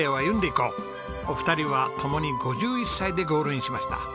お二人は共に５１歳でゴールインしました。